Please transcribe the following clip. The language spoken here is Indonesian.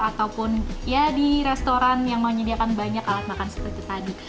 ataupun ya di restoran yang menyediakan banyak alat makan seperti tadi